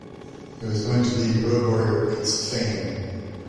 It was going to be Road Warrior meets "Fame".